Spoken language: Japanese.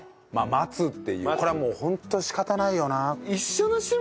待つっていうこれはもうホント仕方ないよな。